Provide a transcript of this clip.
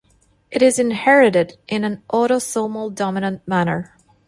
It is inherited in an autosomal dominant manner.